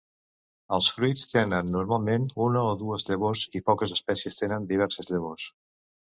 Els fruits tenen normalment una o dues llavors i poques espècies tenen diverses llavors.